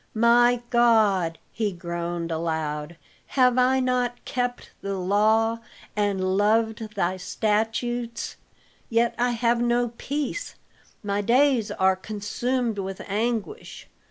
"My God!" he groaned aloud, "have I not kept thy law, and loved thy statutes? Yet have I no peace: my days are consumed with anguish.